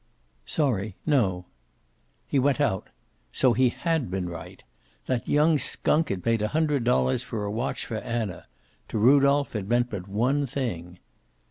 "Sorry. No." He went out. So he had been right. That young skunk had paid a hundred dollars for a watch for Anna. To Rudolph it meant but one thing.